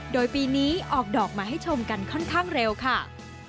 โดยปีนี้ออกดอกมาให้ชมกันค่อนข้างเร็วค่ะ